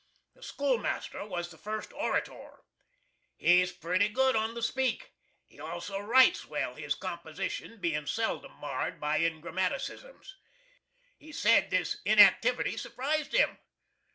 The schoolmaster was the first orator. He's pretty good on the speak. He also writes well, his composition bein' seldom marred by ingrammatticisms. He said this inactivity surprised him.